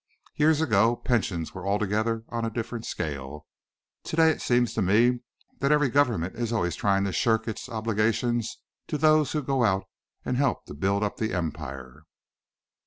Years ago, pensions were altogether on a different scale. To day, it seems to me that every government is always trying to shirk its obligations to those who go out and help to build up the empire."